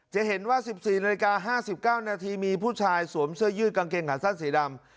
จะเห็นว่า๑๔นาฬิกา๕๙นาทีมีผู้ชายสวมเสื้อยืดกางเกงขาสั้นสีดำ